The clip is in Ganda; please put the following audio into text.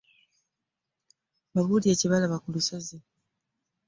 Bambuulira kye baalaba ku lusozi.